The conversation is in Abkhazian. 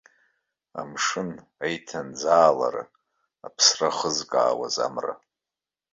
Амшын аиҭанӡаалара аԥсра ахызкаауаз амра.